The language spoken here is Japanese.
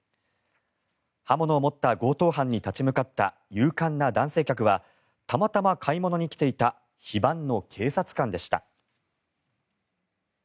刃物を持った強盗犯に立ち向かった勇敢な男性客はたまたま買い物に来ていた非番の警察官でした。